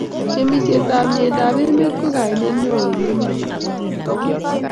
Ng'emisiet ab miendap emet ko kaimet neo eng emonii